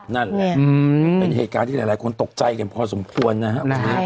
นั่นแหละเป็นเหตุการณ์ที่หลายคนตกใจกันพอสมควรนะครับ